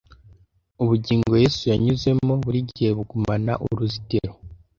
ubugingo yesu yanyuzemo burigihe bugumana uruzitiro